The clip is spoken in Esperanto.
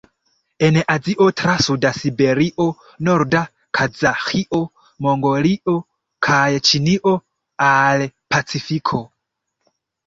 En Azio tra suda Siberio, norda Kazaĥio, Mongolio kaj Ĉinio al Pacifiko.